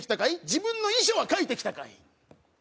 自分の遺書は書いてきたかい？